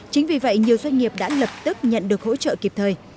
chính vì vậy nhiều doanh nghiệp đã lập tức nhận được hỗ trợ kịp thời